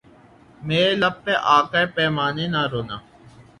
میرے لب پہ آ کر پیمانے نہ رونا